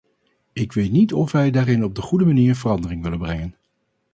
Ik weet niet of wij daarin op de goede manier verandering willen brengen.